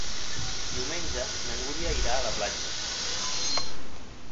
Diumenge na Núria irà a la platja.